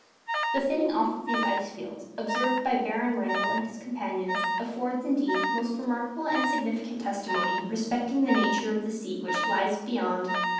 The thinning off of these ice fields, observed by Baron Wrangel and his companions, affords, indeed, most remarkable and significant testimony respecting the nature of the sea which lies beyond.